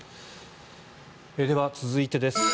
では続いてです。